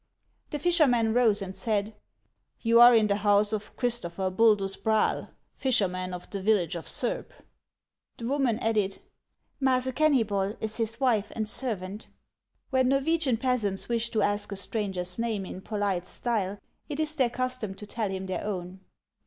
The fisherman rose, and said :" You are in the house of Christopher Buldus Braal, fisherman, of the village of Surb." The woman added :" Maase Keunybol is his wife and servant." When Norwegian peasants wish to ask a stranger's name in polite style, it is their custom to tell him their own.